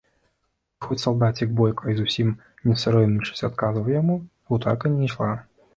І хоць салдацік бойка і зусім не саромеючыся адказваў яму, гутарка не ішла.